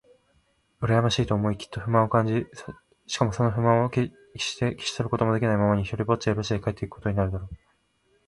うらやましいと思い、きっと不満を感じ、しかもその不満をけっして消し去ることもできないままに、ひとりぽっちでロシアへ帰っていくことになるだろう。